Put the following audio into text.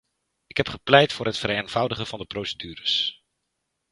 Ik heb gepleit voor het vereenvoudigen van de procedures.